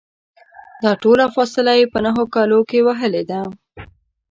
دا ټوله فاصله یې په نهو کالو کې وهلې ده.